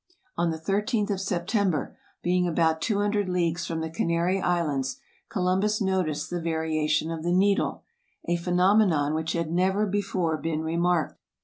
On the thirteenth of September, being about two hundred leagues from the Canary Islands, Columbus noticed the variation of the needle ; a phenomenon which had never be fore been remarked.